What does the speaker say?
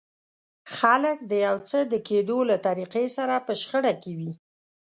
خلک د يو څه د کېدو له طريقې سره په شخړه کې وي.